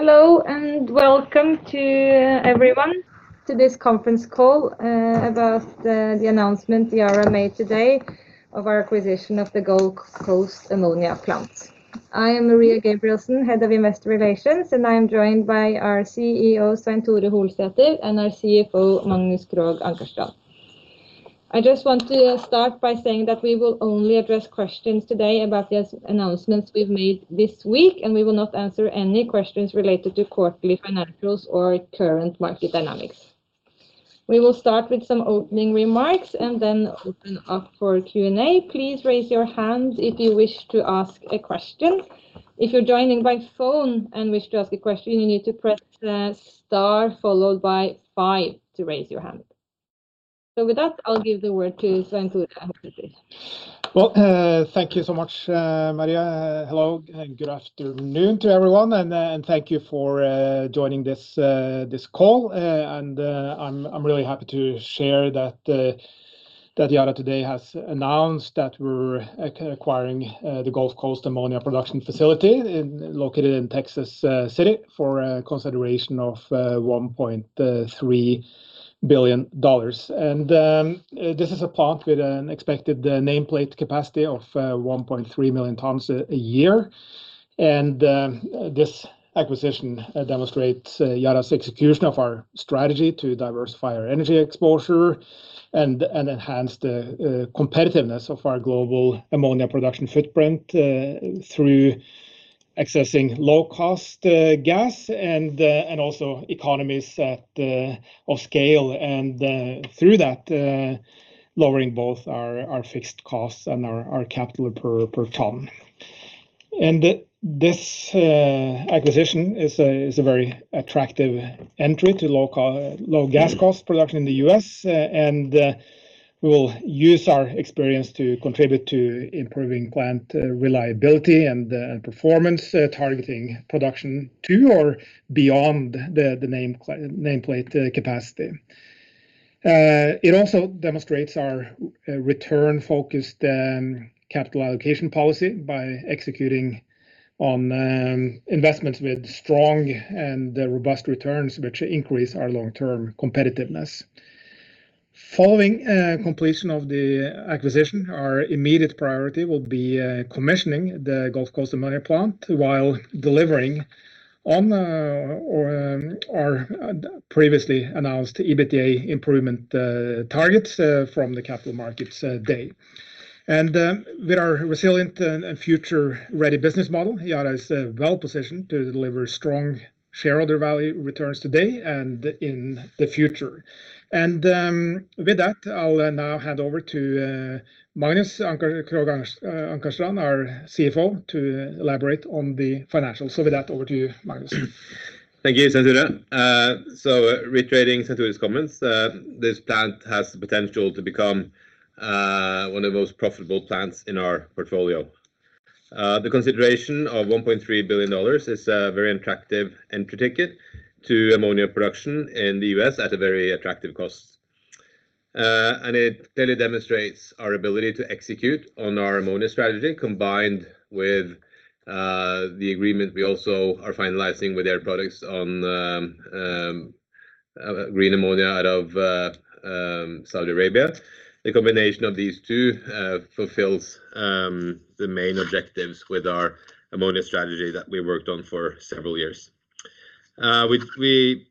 Hello, welcome everyone to this conference call about the announcement Yara made today of our acquisition of the Gulf Coast Ammonia plant. I am Maria Gabrielsen, Head of Investor Relations, and I am joined by our CEO, Svein Tore Holsether, and our CFO, Magnus Krogh Ankarstrand. I just want to start by saying that we will only address questions today about the announcements we've made this week. We will not answer any questions related to quarterly financials or current market dynamics. We will start with some opening remarks. Then open up for Q&A. Please raise your hand if you wish to ask a question. If you're joining by phone and wish to ask a question, you need to press star followed by five to raise your hand. With that, I'll give the word to Svein Tore Holsether. Well, thank you so much, Maria. Hello, good afternoon to everyone, and thank you for joining this call. I'm really happy to share that Yara today has announced that we're acquiring the Gulf Coast Ammonia Production Facility located in Texas City for a consideration of $1.3 billion. This is a plant with an expected nameplate capacity of 1.3 million tons a year. This acquisition demonstrates Yara's execution of our strategy to diversify our energy exposure and enhance the competitiveness of our global ammonia production footprint through accessing low-cost gas and also economies of scale, and through that, lowering both our fixed costs and our capital per ton. This acquisition is a very attractive entry to low gas cost production in the U.S. We will use our experience to contribute to improving plant reliability and performance, targeting production to or beyond the nameplate capacity. It also demonstrates our return-focused capital allocation policy by executing on investments with strong and robust returns, which increase our long-term competitiveness. Following completion of the acquisition, our immediate priority will be commissioning the Gulf Coast Ammonia plant while delivering on our previously announced EBITDA improvement targets from the Capital Markets Day. With our resilient and future-ready business model, Yara is well positioned to deliver strong shareholder value returns today and in the future. With that, I'll now hand over to Magnus Krogh Ankarstrand, our CFO, to elaborate on the financials. With that, over to you, Magnus. Thank you, Svein Tore. Reiterating Svein Tore's comments, this plant has the potential to become one of the most profitable plants in our portfolio. The consideration of $1.3 billion is a very attractive entry ticket to ammonia production in the U.S. at a very attractive cost. It clearly demonstrates our ability to execute on our ammonia strategy combined with the agreement we also are finalizing with Air Products on green ammonia out of Saudi Arabia. The combination of these two fulfills the main objectives with our ammonia strategy that we worked on for several years. We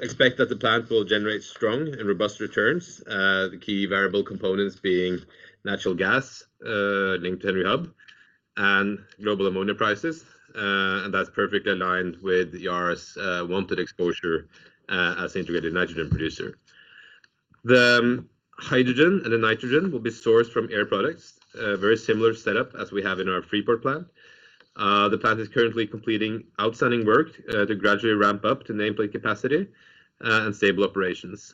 expect that the plant will generate strong and robust returns, the key variable components being natural gas linked to Henry Hub and global ammonia prices, and that's perfectly aligned with Yara's wanted exposure as integrated nitrogen producer. The hydrogen and the nitrogen will be sourced from Air Products, a very similar setup as we have in our Freeport plant. The plant is currently completing outstanding work to gradually ramp up to nameplate capacity and stable operations.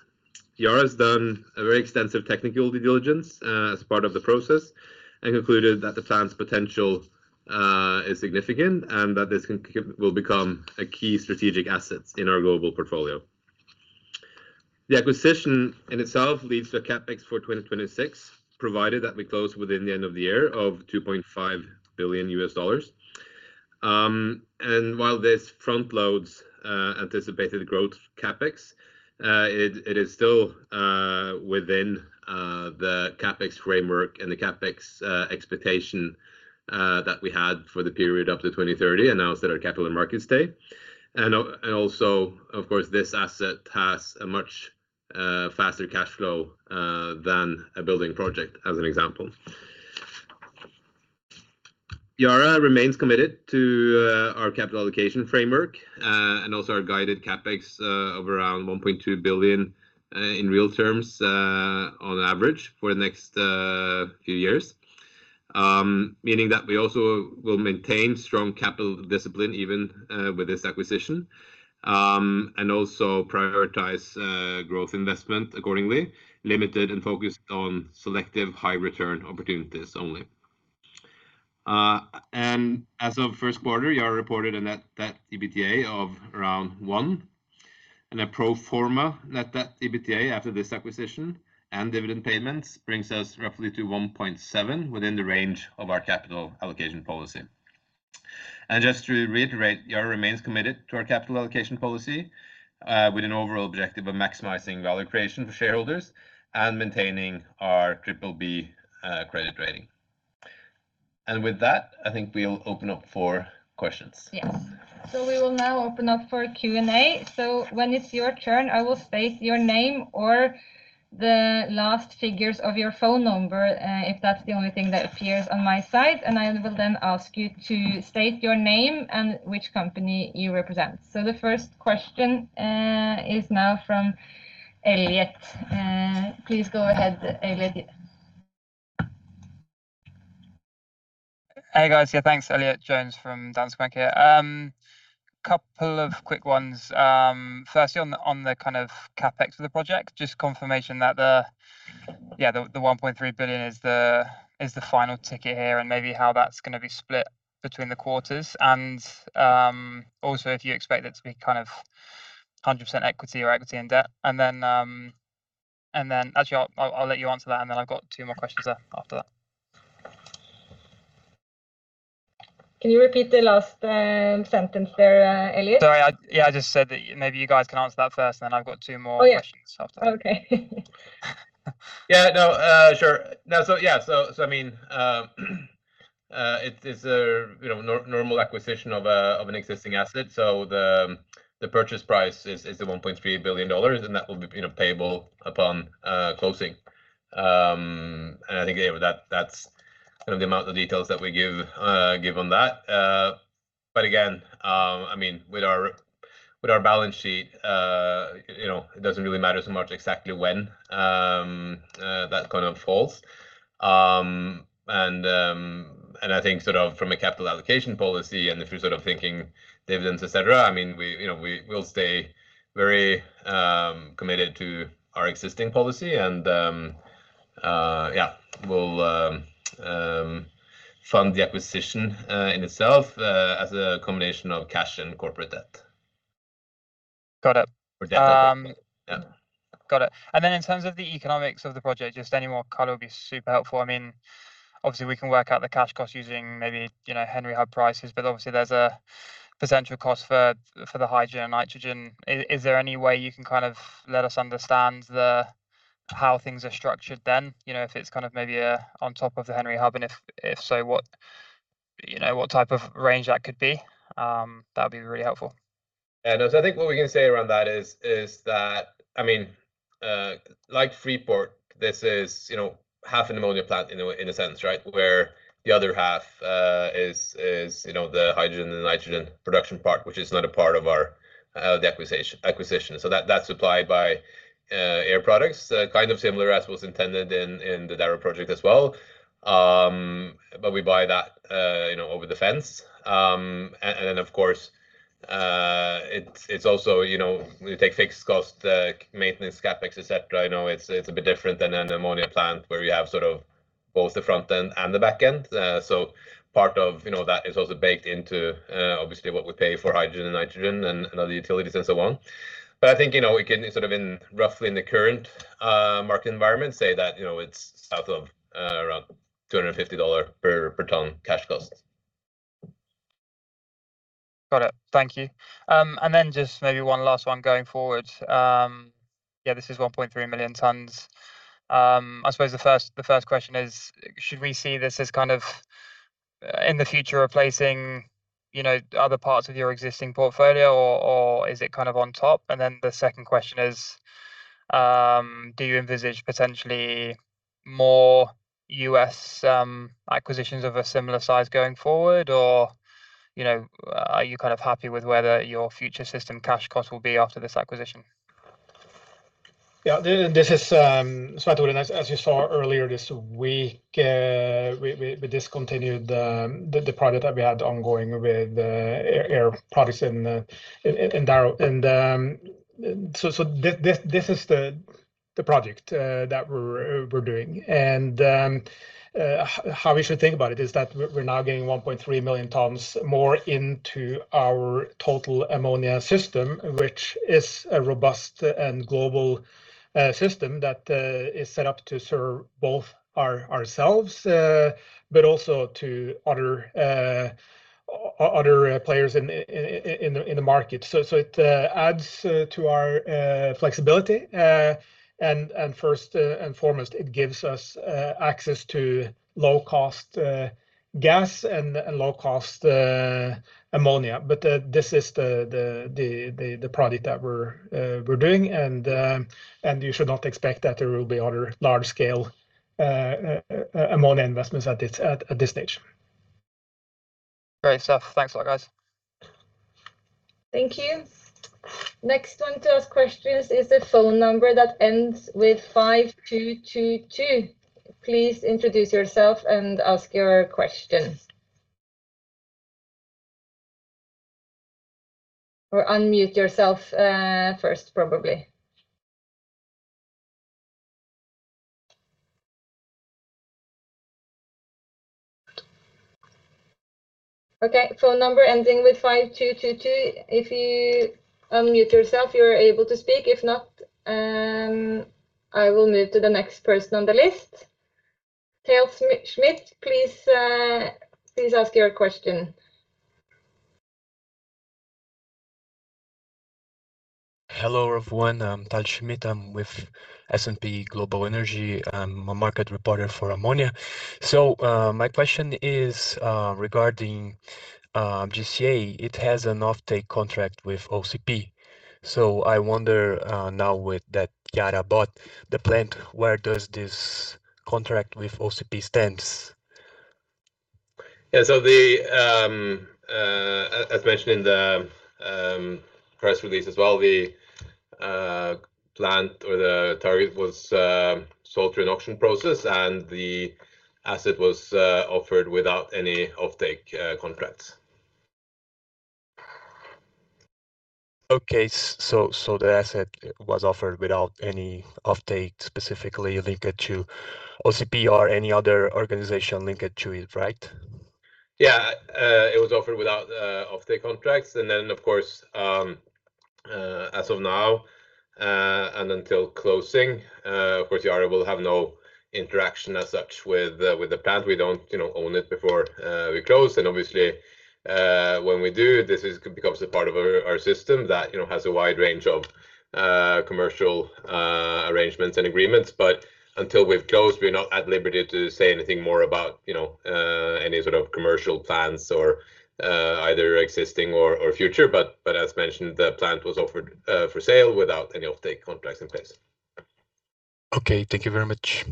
Yara has done a very extensive technical due diligence as part of the process and concluded that the plant's potential is significant and that this will become a key strategic asset in our global portfolio. The acquisition in itself leads to a CapEx for 2026, provided that we close within the end of the year, of $2.5 billion. While this front loads anticipated growth CapEx, it is still within the CapEx framework and the CapEx expectation that we had for the period up to 2030 announced at our Capital Markets Day. Also, of course, this asset has a much faster cash flow than a building project, as an example. Yara remains committed to our capital allocation framework and also our guided CapEx of around $1.2 billion in real terms on average for the next few years, meaning that we also will maintain strong capital discipline even with this acquisition, and also prioritize growth investment accordingly, limited and focused on selective high return opportunities only. As of first quarter, Yara reported a Net Debt/EBITDA of around 1x. A pro forma Net Debt/EBITDA after this acquisition and dividend payments brings us roughly to 1.7x within the range of our capital allocation policy. Just to reiterate, Yara remains committed to our capital allocation policy, with an overall objective of maximizing value creation for shareholders and maintaining our BBB credit rating. With that, I think we'll open up for questions. Yes. We will now open up for Q&A. When it's your turn, I will state your name or the last figures of your phone number, if that's the only thing that appears on my side. I will then ask you to state your name and which company you represent. The first question is now from Elliott. Please go ahead, Elliott. Hey, guys. Yeah, thanks. Elliott Jones from Danske Bank here. Couple of quick ones. Firstly on the kind of CapEx of the project, just confirmation that the $1.3 billion is the final ticket here, and maybe how that's going to be split between the quarters, and also if you expect it to be kind of 100% equity or equity and debt. Actually I'll let you answer that, and then I've got two more questions after that. Can you repeat the last sentence there, Elliott? Sorry. Yeah, I just said that maybe you guys can answer that first, I've got two more questions after that. Oh, yeah. Okay. Yeah. No, sure. It is a normal acquisition of an existing asset. The purchase price is the $1.3 billion, that will be payable upon closing. I think that's the amount of details that we give on that. Again, with our balance sheet, it doesn't really matter so much exactly when that kind of falls. I think from a capital allocation policy and if you're thinking dividends, et cetera, we will stay very committed to our existing policy. Yeah, we'll fund the acquisition in itself as a combination of cash and corporate debt. Got it. Yeah. Got it. In terms of the economics of the project, just any more color would be super helpful. Obviously we can work out the cash cost using maybe Henry Hub prices, but obviously there's a potential cost for the hydrogen and nitrogen. Is there any way you can kind of let us understand how things are structured then? If it's maybe on top of the Henry Hub, and if so, what type of range that could be? That'd be really helpful. Yeah, no. I think what we can say around that is that like Freeport, this is half an ammonia plant in a sense, right? Where the other half is the hydrogen and nitrogen production part, which is not a part of the acquisition. That's supplied by Air Products, kind of similar as was intended in the Darrow project as well. We buy that over the fence. Of course, it's also you take fixed cost, maintenance, CapEx, et cetera. I know it's a bit different than an ammonia plant where you have both the front end and the back end. Part of that is also baked into obviously what we pay for hydrogen and nitrogen and other utilities and so on. I think, we can sort of in roughly in the current market environment, say that it's south of around $250/ton cash cost. Got it. Thank you. Just maybe one last one going forward. This is 1.3 million tons. I suppose the first question is should we see this as kind of in the future replacing other parts of your existing portfolio, or is it kind of on top? The second question is, do you envisage potentially more U.S. acquisitions of a similar size going forward, or are you happy with whether your future system cash cost will be after this acquisition? This is Svein Tore. As you saw earlier this week, we discontinued the project that we had ongoing with Air Products in Darrow. This is the project that we're doing. How we should think about it is that we're now getting 1.3 million tons more into our total ammonia system, which is a robust and global system that is set up to serve both ourselves, but also to other players in the market. It adds to our flexibility. First and foremost, it gives us access to low-cost gas and low-cost ammonia. This is the project that we're doing. You should not expect that there will be other large scale ammonia investments at this stage. Great stuff. Thanks a lot, guys. Thank you. Next one to ask questions is the phone number that ends with 5222. Please introduce yourself and ask your question. Unmute yourself first probably. Okay. Phone number ending with 5222. If you unmute yourself, you're able to speak. If not, I will move to the next person on the list. Thales Schmidt, please ask your question. Hello, everyone. I'm Taj Schmidt. I'm with S&P Global Energy. I'm a market reporter for ammonia. My question is regarding GCA. It has an offtake contract with OCP. I wonder now with that Yara bought the plant, where does this contract with OCP stand? Yeah. As mentioned in the press release as well, the plant or the target was sold through an auction process. The asset was offered without any offtake contracts. Okay. The asset was offered without any offtake specifically linked to OCP or any other organization linked to it, right? Yeah. It was offered without offtake contracts, then of course, as of now and until closing, of course, Yara will have no interaction as such with the plant. We don't own it before we close, obviously, when we do, this becomes a part of our system that has a wide range of commercial arrangements and agreements. Until we've closed, we're not at liberty to say anything more about any sort of commercial plans or either existing or future. As mentioned, the plant was offered for sale without any offtake contracts in place. Okay. Thank you very much.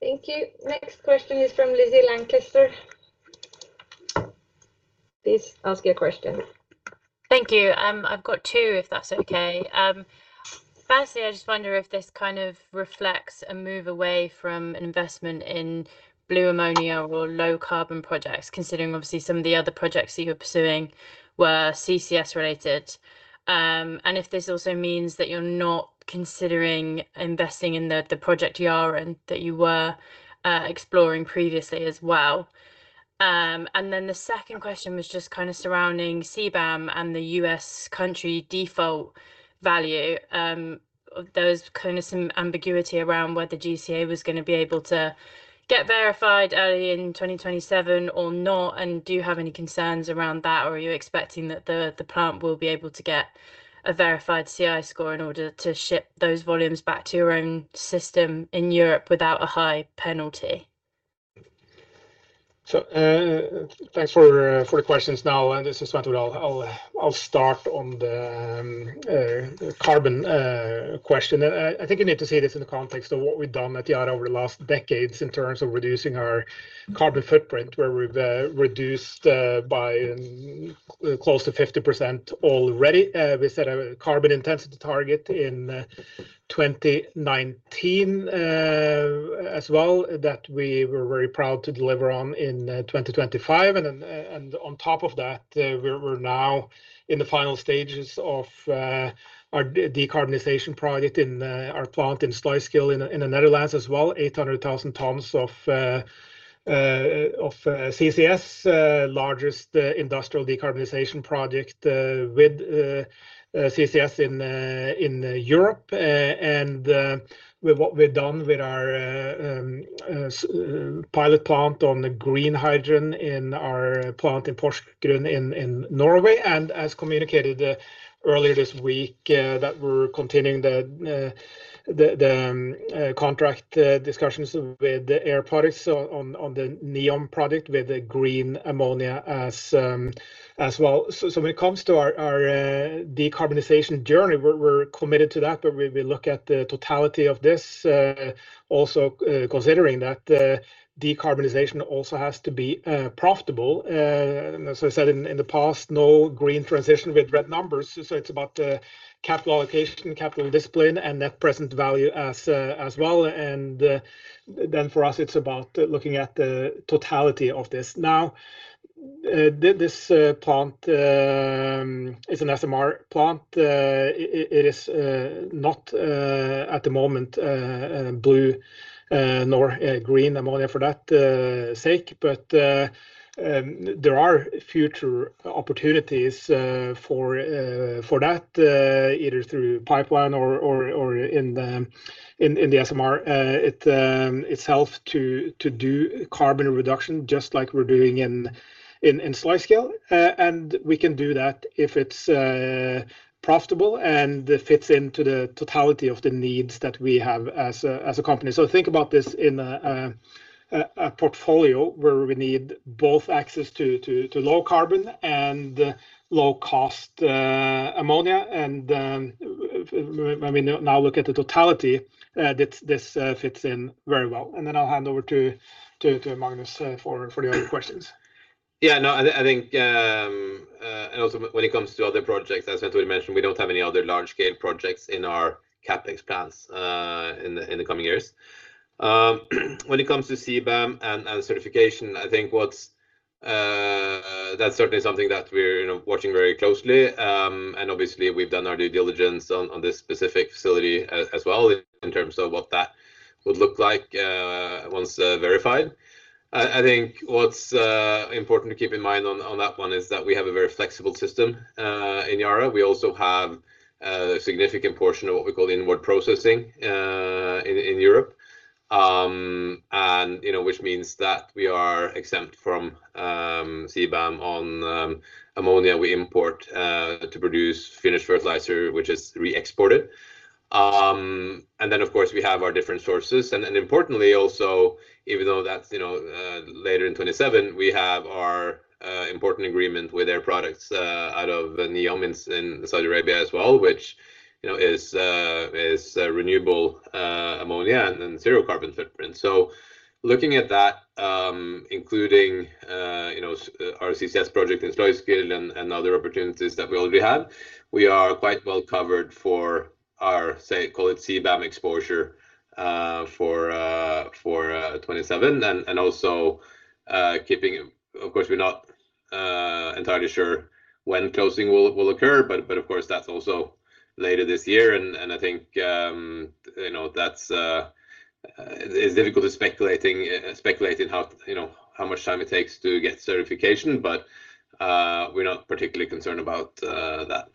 Thank you. Next question is from Lizzy Lancaster. Please ask your question. Thank you. I've got two if that's okay. Firstly, I just wonder if this kind of reflects a move away from an investment in blue ammonia or low carbon projects, considering obviously some of the other projects that you're pursuing were CCS related. If this also means that you're not considering investing in Project Yara, and that you were exploring previously as well. The second question was just kind of surrounding CBAM and the U.S. country default value. There was some ambiguity around whether GCA was going to be able to get verified early in 2027 or not, and do you have any concerns around that, or are you expecting that the plant will be able to get a verified CI score in order to ship those volumes back to your own system in Europe without a high penalty? Thanks for the questions now. This is Svein Tore. I'll start on the carbon question. I think you need to see this in the context of what we've done at Yara over the last decades in terms of reducing our carbon footprint, where we've reduced by close to 50% already. We set a carbon intensity target in 2019 as well that we were very proud to deliver on in 2025. On top of that, we're now in the final stages of our decarbonization project in our plant in Sluiskil in the Netherlands as well, 800,000 tons of CCS, largest industrial decarbonization project with CCS in Europe. With what we've done with our pilot plant on the green hydrogen in our plant in Porsgrunn in Norway, and as communicated earlier this week, that we're continuing the contract discussions with Air Products on the NEOM project with the green ammonia as well. When it comes to our decarbonization journey, we're committed to that, but we look at the totality of this also considering that decarbonization also has to be profitable. As I said in the past, no green transition with red numbers. It's about capital allocation, capital discipline, and net present value as well. For us, it's about looking at the totality of this. Now, this plant is an SMR plant. It is not at the moment blue nor green ammonia for that sake, but there are future opportunities for that either through pipeline or in the SMR itself to do carbon reduction, just like we're doing in Sluiskil. We can do that if it's profitable and fits into the totality of the needs that we have as a company. Think about this in a portfolio where we need both access to low carbon and low cost ammonia, and when we now look at the totality, this fits in very well. I'll hand over to Magnus for the other questions. Yeah. I think also when it comes to other projects, as Svein Tore mentioned, we don't have any other large scale projects in our CapEx plans in the coming years. When it comes to CBAM and certification, That's certainly something that we're watching very closely. Obviously, we've done our due diligence on this specific facility as well in terms of what that would look like once verified. I think what's important to keep in mind on that one is that we have a very flexible system in Yara. We also have a significant portion of what we call Inward Processing in Europe, which means that we are exempt from CBAM on ammonia we import to produce finished fertilizer, which is re-exported. Then, of course, we have our different sources. Importantly, also, even though that's later in 2027, we have our important agreement with Air Products out of NEOM in Saudi Arabia as well, which is renewable ammonia and zero carbon footprint. Looking at that, including our CCS project in Sluiskil and other opportunities that we already have, we are quite well covered for our, say, call it CBAM exposure for 2027. Also, of course, we're not entirely sure when closing will occur, but of course, that's also later this year. I think it's difficult speculating how much time it takes to get certification. We're not particularly concerned about that.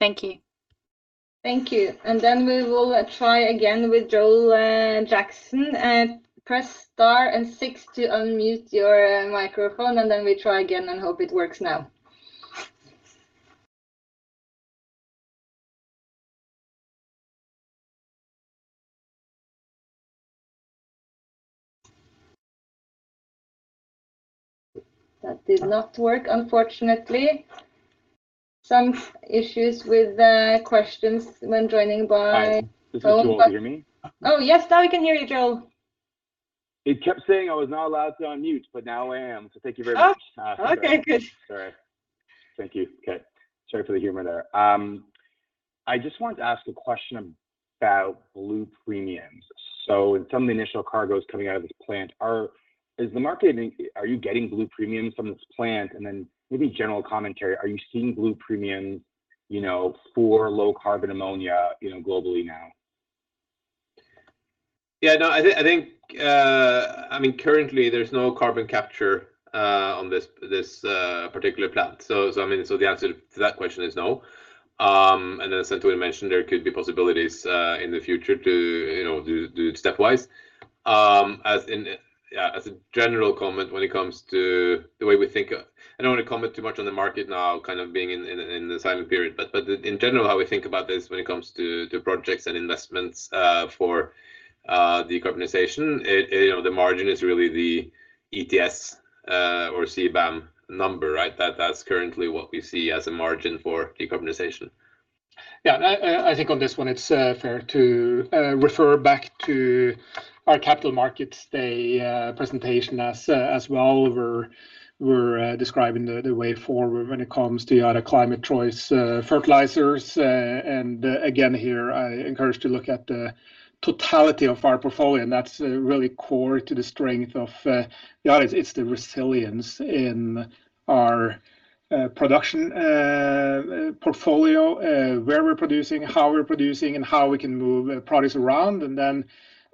Thank you. Thank you. Then we will try again with Joel Jackson. Press star and six to unmute your microphone, then we try again and hope it works now. That did not work, unfortunately. Some issues with questions when joining by phone. Hi, this is Joel. Can you hear me? Oh, yes. Now we can hear you, Joel. It kept saying I was not allowed to unmute, but now I am, so thank you very much. Oh, okay, good. All right. Thank you. Okay. Sorry for the humor there. I just wanted to ask a question about blue premiums. In some of the initial cargoes coming out of this plant, are you getting blue premiums from this plant? Maybe general commentary, are you seeing blue premiums for low-carbon ammonia globally now? Yeah. No, I think currently, there's no carbon capture on this particular plant. The answer to that question is no. As Svein Tore mentioned, there could be possibilities in the future to do it stepwise. As a general comment when it comes to the way we think about this when it comes to projects and investments for decarbonization, the margin is really the ETS or CBAM number. That's currently what we see as a margin for decarbonization. Yeah. I think on this one, it's fair to refer back to our Capital Markets Day presentation as well, where we're describing the way forward when it comes to Yara Climate Choice Fertilizers. Again, here, I encourage to look at the totality of our portfolio, and that's really core to the strength of Yara. It's the resilience in our production portfolio, where we're producing, how we're producing, and how we can move products around.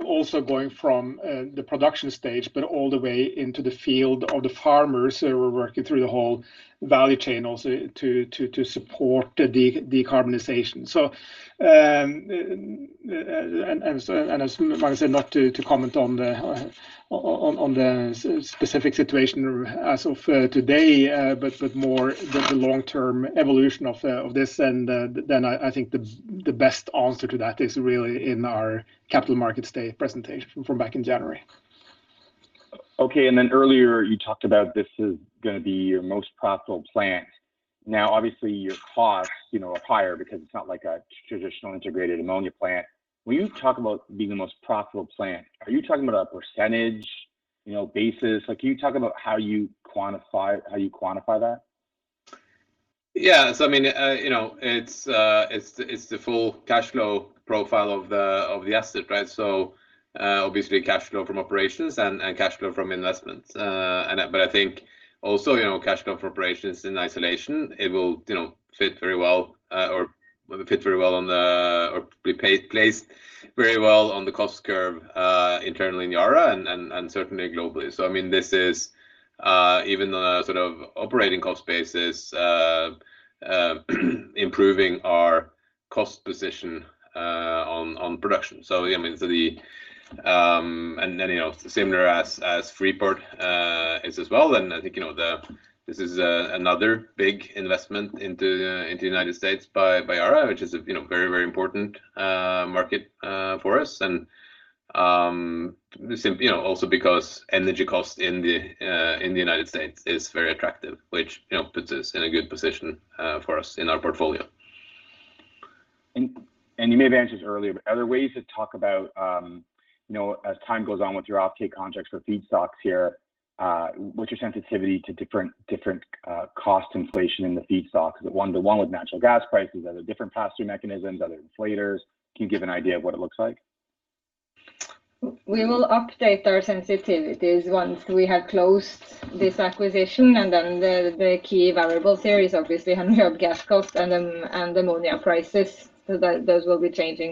Also going from the production stage, but all the way into the field of the farmers. We're working through the whole value chain also to support the decarbonization. As Magnus said, not to comment on the specific situation as of today, but more the long-term evolution of this. I think the best answer to that is really in our Capital Markets Day presentation from back in January. Okay, earlier you talked about this is going to be your most profitable plant. Now, obviously, your costs are higher because it's not like a traditional integrated ammonia plant. When you talk about being the most profitable plant, are you talking about a percentage basis? Can you talk about how you quantify that? It's the full cash flow profile of the asset. Obviously cash flow from operations and cash flow from investments. I think also, cash flow from operations in isolation, it will fit very well or be placed very well on the cost curve internally in Yara and certainly globally. This is even on a sort of operating cost basis, improving our cost position on production. Then similar as Freeport is as well, I think this is another big investment into the United States by Yara, which is a very important market for us. Also because energy cost in the United States is very attractive, which puts this in a good position for us in our portfolio. You may have answered earlier, are there ways you could talk about as time goes on with your offtake contracts for feedstocks here, what's your sensitivity to different cost inflation in the feedstocks? Is it one to one with natural gas prices? Are there different pass-through mechanisms, other inflators? Can you give an idea of what it looks like? We will update our sensitivities once we have closed this acquisition. Then the key variable there is obviously gas cost and ammonia prices. Those will be changing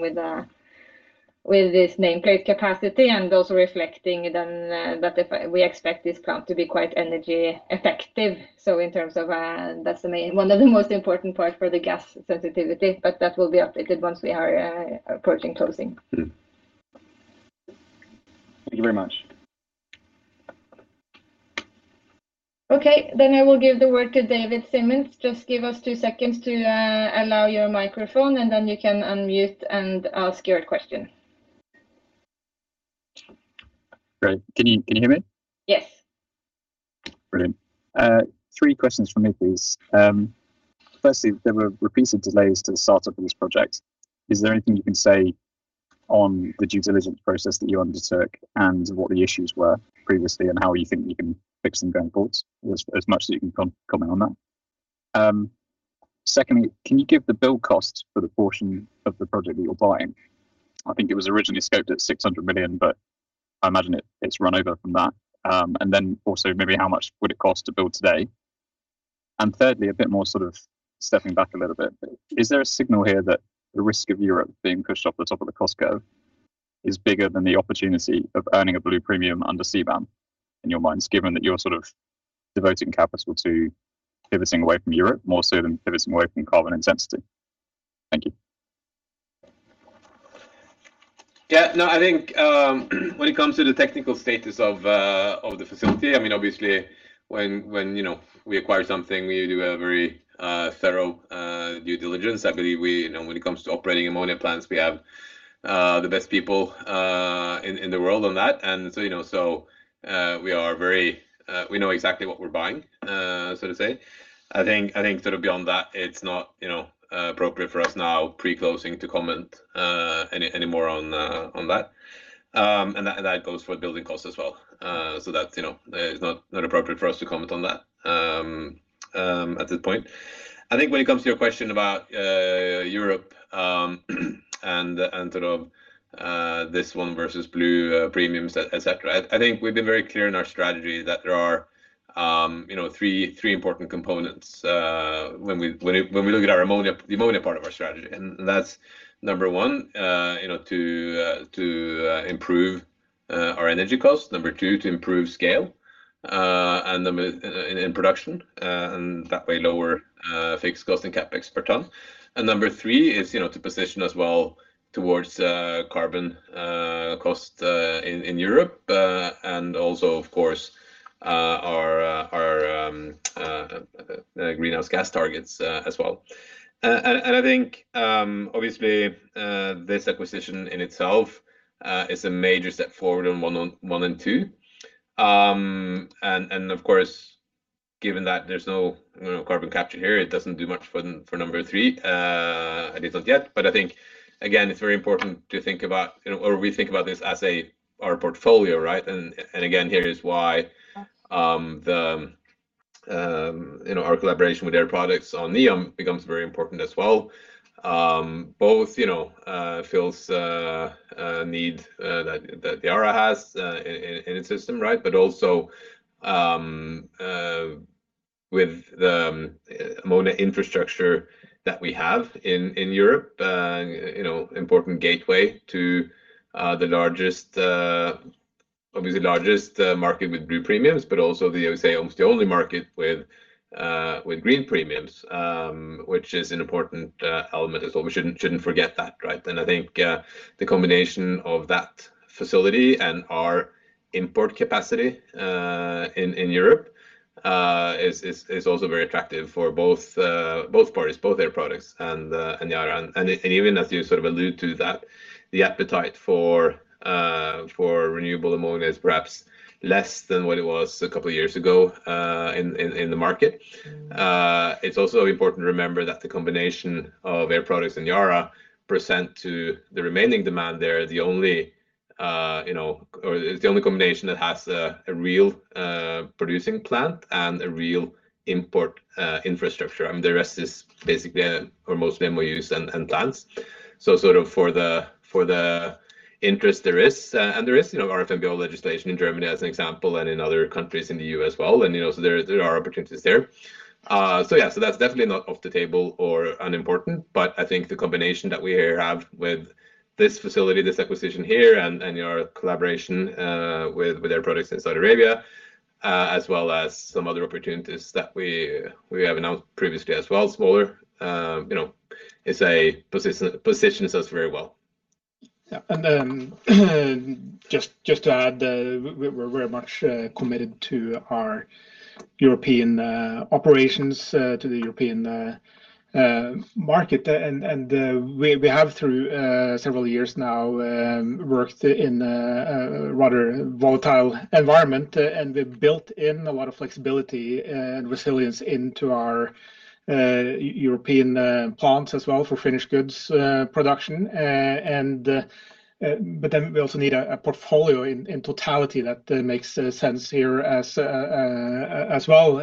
with this nameplate capacity and also reflecting that we expect this plant to be quite energy effective. In terms of that's one of the most important parts for the gas sensitivity, that will be updated once we are approaching closing. Thank you very much. Okay. I will give the word to David Symonds. Just give us two seconds to allow your microphone, and you can unmute and ask your question. Great. Can you hear me? Yes. Brilliant. Three questions from me, please. Firstly, there were repeated delays to the start-up of this project. Is there anything you can say on the due diligence process that you undertook and what the issues were previously, and how you think you can fix them going forward? As much as you can comment on that. Secondly, can you give the build cost for the portion of the project that you are buying? I think it was originally scoped at $600 million, I imagine it's run over from that. Also maybe how much would it cost to build today? Thirdly, stepping back a little bit, is a signal here that the risk of Europe being pushed off the top of the cost curve is bigger than the opportunity of earning a blue premium under CBAM, in your minds, given that you are devoting capital to pivoting away from Europe more so than pivoting away from carbon intensity? Thank you. Yeah. I think when it comes to the technical status of the facility, obviously when we acquire something, we do a very thorough due diligence. I believe when it comes to operating ammonia plants, we have the best people in the world on that. We know exactly what we're buying, so to say. I think beyond that, it's not appropriate for us now pre-closing to comment any more on that, and that goes for building costs as well. That is not appropriate for us to comment on that at this point. I think when it comes to your question about Europe, and this one versus blue premiums, et cetera, I think we've been very clear in our strategy that there are three important components when we look at the ammonia part of our strategy. That's number one, to improve our energy cost. Number two, to improve scale and in production, and that way lower fixed cost and CapEx per ton. Number three is to position us well towards carbon cost in Europe. Also of course, our greenhouse gas targets as well. I think obviously, this acquisition in itself is a major step forward on one and two. Of course, given that there's no carbon capture here, it doesn't do much for number three, at least not yet. I think, again, it's very important to think about, or we think about this as our portfolio. Again, here is why our collaboration with Air Products on NEOM becomes very important as well. Both fills a need that Yara has in its system. Also with the ammonia infrastructure that we have in Europe, important gateway to obviously the largest market with blue premiums, but also I would say almost the only market with green premiums, which is an important element as well. We shouldn't forget that. I think the combination of that facility and our import capacity in Europe is also very attractive for both parties, both Air Products and Yara. Even as you allude to that, the appetite for renewable ammonia is perhaps less than what it was a couple of years ago in the market. It's also important to remember that the combination of Air Products and Yara present to the remaining demand there is the only combination that has a real producing plant and a real import infrastructure. The rest is basically, or mostly, MOUs and plans. For the interest there is, there is RFNBO legislation in Germany as an example, in other countries in the E.U. as well. There are opportunities there. Yeah, that's definitely not off the table or unimportant, I think the combination that we here have with this facility, this acquisition here, and our collaboration with Air Products in Saudi Arabia, as well as some other opportunities that we have announced previously as well, smaller, it positions us very well. Yeah. Just to add, we're very much committed to our European operations, to the European market. We have through several years now, worked in a rather volatile environment, and we've built in a lot of flexibility and resilience into our European plants as well for finished goods production. We also need a portfolio in totality that makes sense here as well.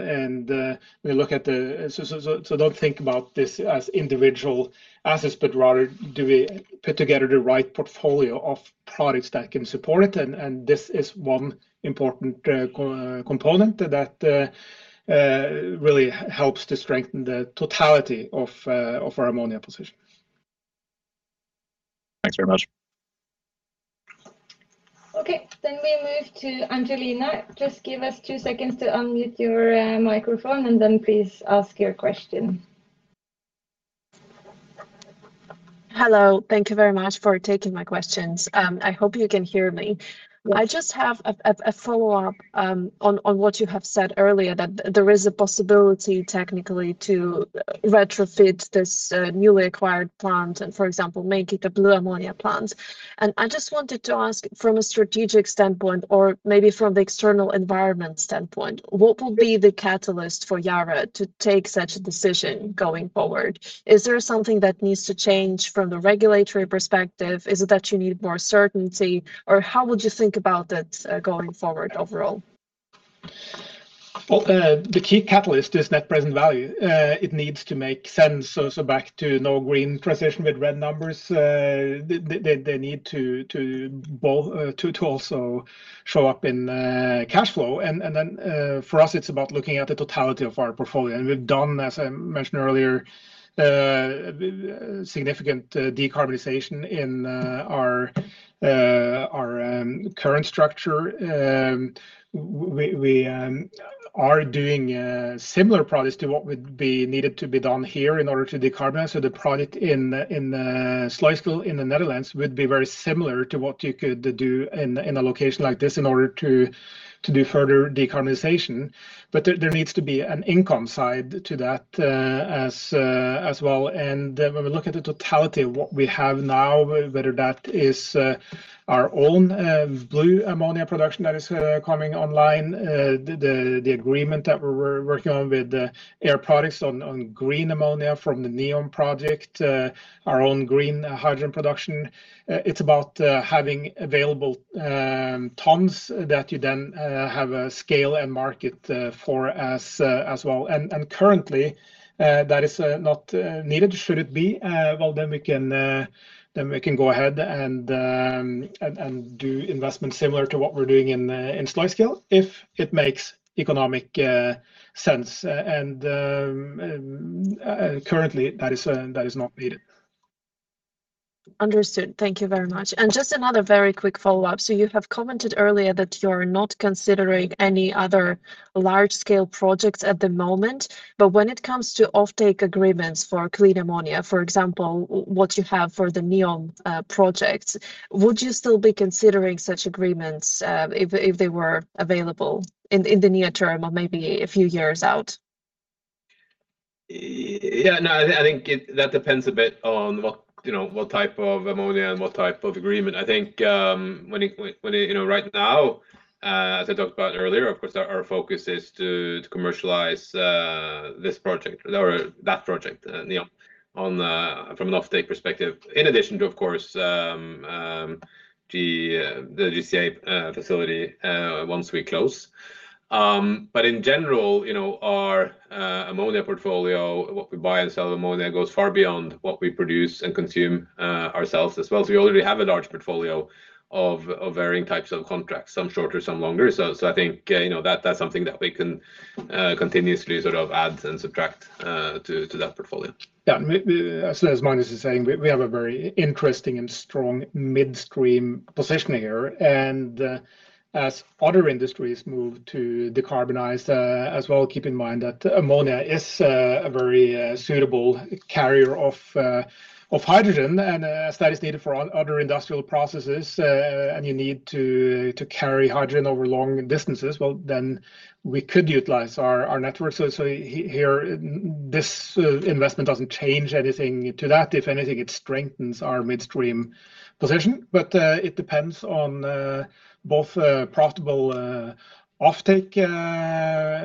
Don't think about this as individual assets, but rather do we put together the right portfolio of products that can support it? This is one important component that really helps to strengthen the totality of our ammonia position. Thanks very much. Okay, we move to Angelina. Just give us two seconds to unmute your microphone, and please ask your question. Hello. Thank you very much for taking my questions. I hope you can hear me. Yes. I just have a follow-up on what you have said earlier, that there is a possibility technically to retrofit this newly acquired plant and, for example, make it a blue ammonia plant. I just wanted to ask from a strategic standpoint, or maybe from the external environment standpoint, what will be the catalyst for Yara to take such a decision going forward? Is there something that needs to change from the regulatory perspective? Is it that you need more certainty, or how would you think about it going forward overall? Well, the key catalyst is net present value. It needs to make sense, so back to no green transition with red numbers. They need to also show up in cash flow. Then for us, it's about looking at the totality of our portfolio. We've done, as I mentioned earlier, significant decarbonization in our current structure. We are doing similar products to what would be needed to be done here in order to decarbonize. The product in Sluiskil in the Netherlands would be very similar to what you could do in a location like this in order to do further decarbonization. There needs to be an income side to that as well. When we look at the totality of what we have now, whether that is our own blue ammonia production that is coming online, the agreement that we're working on with Air Products on green ammonia from the NEOM project, our own green hydrogen production, it's about having available tons that you then have a scale and market for as well. Currently, that is not needed. Should it be, well, then we can go ahead and do investments similar to what we're doing in Sluiskil if it makes economic sense. Currently, that is not needed. Understood. Thank you very much. Just another very quick follow-up. You have commented earlier that you're not considering any other large-scale projects at the moment, but when it comes to offtake agreements for clean ammonia, for example, what you have for the NEOM project, would you still be considering such agreements if they were available in the near term or maybe a few years out? I think that depends a bit on what type of ammonia and what type of agreement. I think right now, as I talked about earlier, of course, our focus is to commercialize that project, NEOM, from an offtake perspective, in addition to, of course, the GCA facility once we close. In general, our ammonia portfolio, what we buy and sell ammonia goes far beyond what we produce and consume ourselves as well. We already have a large portfolio of varying types of contracts, some shorter, some longer. I think that's something that we can continuously add and subtract to that portfolio. Yeah. As Magnus is saying, we have a very interesting and strong midstream position here. As other industries move to decarbonize as well, keep in mind that ammonia is a very suitable carrier of hydrogen. As that is needed for other industrial processes, and you need to carry hydrogen over long distances, well, we could utilize our network. Here, this investment doesn't change anything to that. If anything, it strengthens our midstream position. It depends on both profitable offtake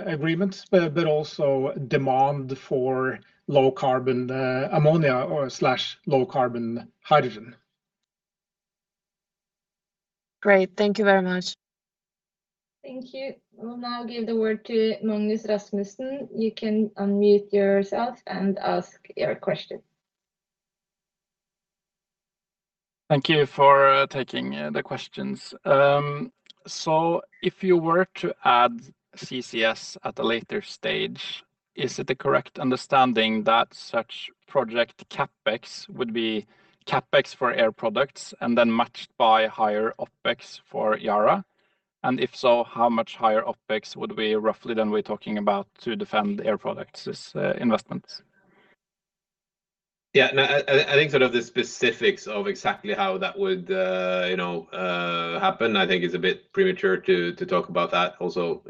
agreements but also demand for low carbon ammonia/low carbon hydrogen. Great. Thank you very much. Thank you. We'll now give the word to Magnus Rasmussen. You can unmute yourself and ask your question. Thank you for taking the questions. If you were to add CCS at a later stage, is it a correct understanding that such project CapEx would be CapEx for Air Products and then matched by higher OpEx for Yara? If so, how much higher OpEx would we roughly then be talking about to defend Air Products' investments? No, I think the specifics of exactly how that would happen, I think it's a bit premature to talk about that. Also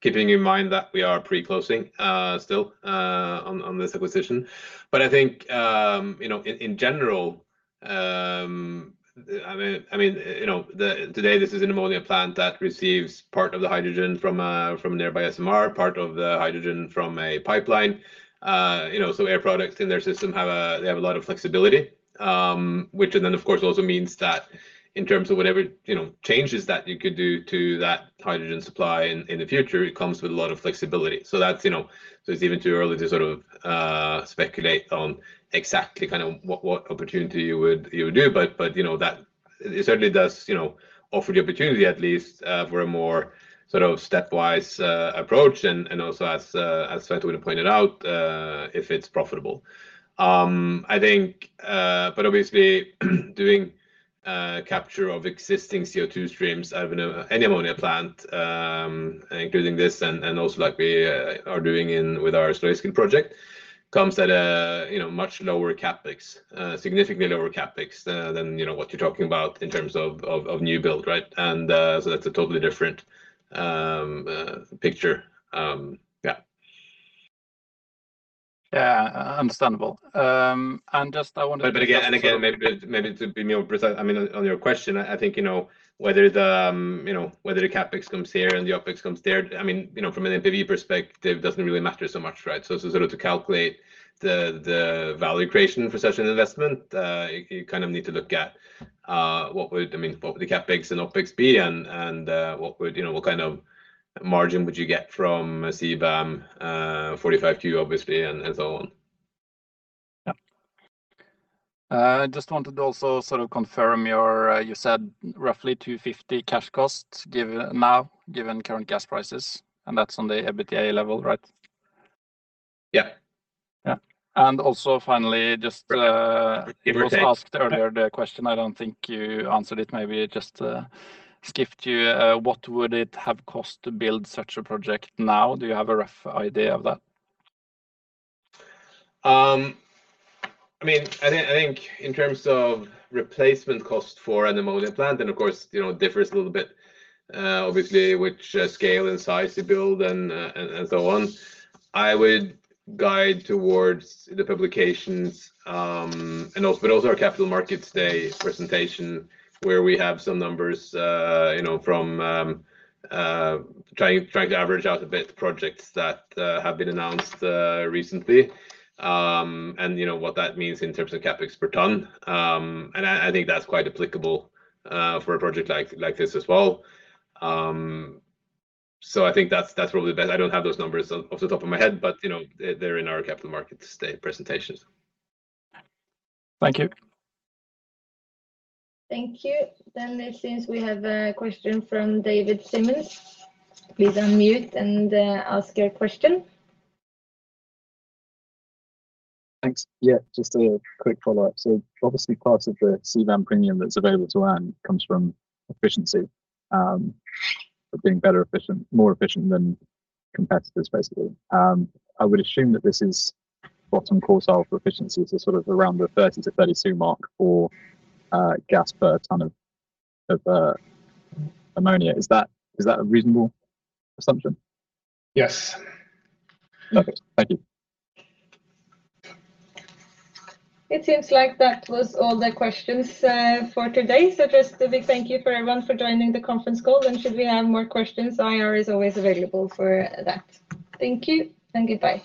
keeping in mind that we are pre-closing still on this acquisition. I think in general, today this is an ammonia plant that receives part of the hydrogen from a nearby SMR, part of the hydrogen from a pipeline. Air Products in their system have a lot of flexibility, which then of course also means that in terms of whatever changes that you could do to that hydrogen supply in the future, it comes with a lot of flexibility. It's even too early to speculate on exactly what opportunity you would do, but it certainly does offer the opportunity, at least, for a more stepwise approach and also, as Svein Tore would have pointed out, if it's profitable. Obviously, doing capture of existing CO2 streams out of any ammonia plant, including this and also like we are doing with our Sluiskil project, comes at a much lower CapEx. Significantly lower CapEx than what you're talking about in terms of new build, right? That's a totally different picture. Yeah. Yeah. Understandable. Again, maybe to be more precise on your question, I think whether the CapEx comes here and the OpEx comes there, from an NPV perspective, it doesn't really matter so much, right? Sort of to calculate the value creation for such an investment, you need to look at what would the CapEx and OpEx be and what kind of margin would you get from a CBAM 45Q, obviously, and so on. Yeah. Just wanted to also sort of confirm, you said roughly $250 cash costs now given current gas prices, and that's on the EBITDA level, right? Yeah. Finally, it was asked earlier, the question, I don't think you answered it, maybe it just skipped you. What would it have cost to build such a project now? Do you have a rough idea of that? I think in terms of replacement cost for an ammonia plant, then, of course, it differs a little bit. Obviously, which scale and size you build and so on. I would guide towards the publications, but also our Capital Markets Day presentation where we have some numbers from trying to average out a bit the projects that have been announced recently. What that means in terms of CapEx per ton. I think that's quite applicable for a project like this as well. I think that's probably best. I don't have those numbers off the top of my head, but they're in our Capital Markets Day presentations. Thank you. Thank you. It seems we have a question from David Symonds. Please unmute and ask your question. Thanks. Yeah, just a quick follow-up. Obviously part of the CBAM premium that's available to earn comes from efficiency, from being more efficient than competitors, basically. I would assume that this is bottom quartile for efficiency, around the 30-32 mark for gas per ton of ammonia. Is that a reasonable assumption? Yes. Okay. Thank you. It seems like that was all the questions for today. Just a big thank you for everyone for joining the conference call, and should we have more questions, IR is always available for that. Thank you and goodbye.